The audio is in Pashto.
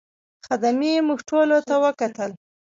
خدمې موږ ټولو ته وکتل.